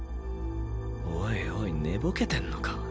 おいおい寝ぼけてんのか？